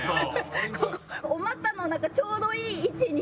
お股のなんかちょうどいい位置に。